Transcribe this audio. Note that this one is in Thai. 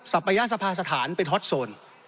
ปยสภาสถานเป็นฮอตโซน